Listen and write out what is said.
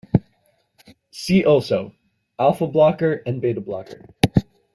"See also: alpha blocker and beta blocker"